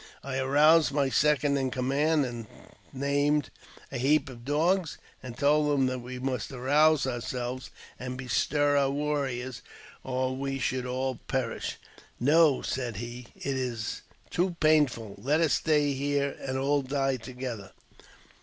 I aroused my second in command, named ''A Heap of Dogs," and told him that w^e must arouse ourselves and bestir our warriors, or we should all perish. " No," said he, " it is too painful ; let us stay here and all die together."